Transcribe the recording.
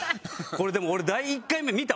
これでも俺。